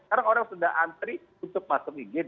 sekarang orang sudah antri untuk masuk igd